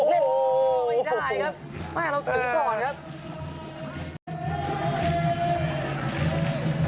ไม่ได้ครับแม่เราคืนก่อนครับ